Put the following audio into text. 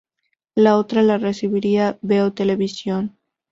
La otra la recibiría Veo Televisión.